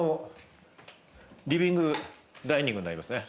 リビングダイニングになりますね。